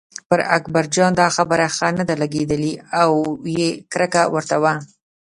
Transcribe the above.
پر اکبرجان دا خبره ښه نه لګېده او یې کرکه ورته وه.